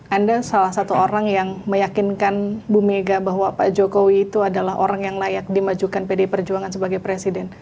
anda salah satu orang yang meyakinkan bu mega bahwa pak jokowi itu adalah orang yang layak dimajukan pdi perjuangan sebagai presiden